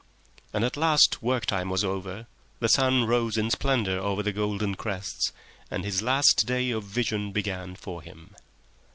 And at last work time was over, the sun rose in splendour over the golden crests, and his last day of vision began for him.